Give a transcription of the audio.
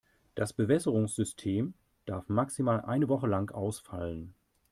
Das Bewässerungssystem darf maximal eine Woche lang ausfallen.